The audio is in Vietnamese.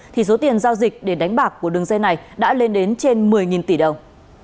thì số tiền giao dịch để đánh bạc của đường dây này đã lên đến trên một mươi tỷ đồng